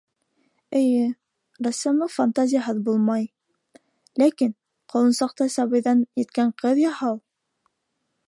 Эйе, рәссамлыҡ фантазияһыҙ булмай, ләкин, ҡолонсаҡтай сабыйҙан еткән ҡыҙ яһау...